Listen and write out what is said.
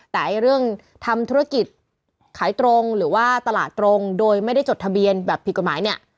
แต่เรื่องทำธุรกิจขายตรงหรือว่าตลาดตรงโดยไม่ได้จดทะเบียนแบบผิดกฎหมายเนี่ย